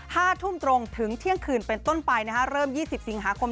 ห้าทุ่มตรงถึงเที่ยงคืนเป็นต้นไปนะฮะเริ่มยี่สิบสิงหาคม